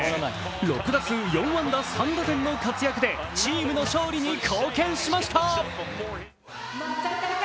６打数４安打３打点の活躍でチームの勝利に貢献しました。